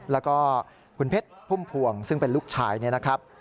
แล้วก็คุณเพชรพุ่มพวงซึ่งเป็นลูกชายเนี่ยนะครับ